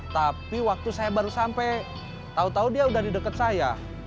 tapi waktu saya baru sampai tau tau dia udah di dekat saya